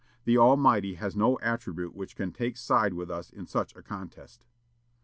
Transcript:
The Almighty has no attribute which can take side with us in such a contest."